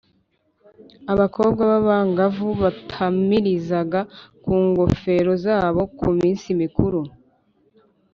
abakobwa b’abangavu batamirizaga ku ngofero zabo ku minsi mikuru